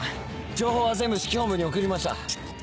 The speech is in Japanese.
情報は全部指揮本部に送りました。